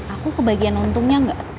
aku kebagian untungnya gak